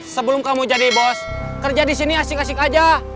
sebelum kamu jadi bos kerja di sini asik asik aja